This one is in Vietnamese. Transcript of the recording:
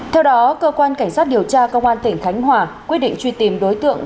theo đó cơ quan cảnh sát điều tra công an tỉnh khánh hòa quyết định truy tìm đối tượng